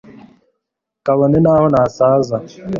kabone n'aho nasaza